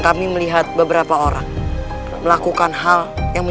rai rara santan